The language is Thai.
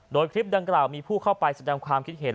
โดยคลิปดังกล่าวมีผู้เข้าไปแสดงความคิดเห็น